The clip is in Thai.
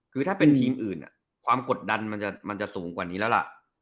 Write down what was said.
คือถ้าเป็นทีมอื่นความกดดันมันจะสูงกว่านี้แล้วล่ะ